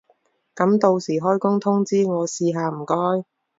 噉到時開工通知我試下唔該